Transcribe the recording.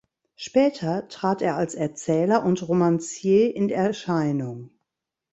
Später trat er als Erzähler und Romancier in Erscheinung.